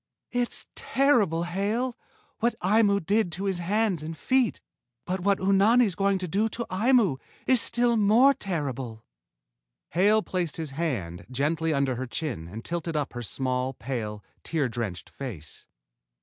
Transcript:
"It's terrible, Hale, what Aimu did to his hands and feet, but what Unani's going to do to Aimu is still more terrible." Hale placed his hand gently under her chin and tilted up her small, pale, tear drenched face.